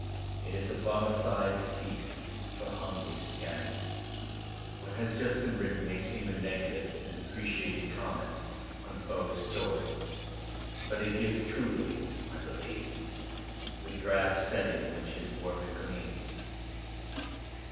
It is a Bar mecide feast for hungry scandal. What has just been written may seem a negative and deprecating comment on Poe*s story. But it gives truly, I believe, the drab setting in which his work gleams.